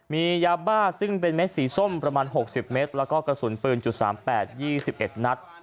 มียาบ้าซึ่งเป็นเม็ดสีส้มประมาณหกสิบเมตรแล้วก็กระสุนปืนจุดสามแปดยี่สิบเอ็ดนัด